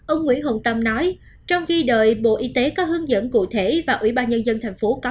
ông nguyễn hồng tâm nói trong khi đợi bộ y tế có hướng dẫn cụ thể và ủy ban nhân dân thành phố có